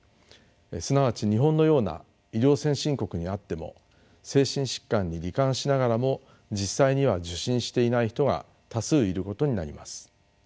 すなわち日本のような医療先進国にあっても精神疾患に罹患しながらも実際には受診していない人が多数いることになります。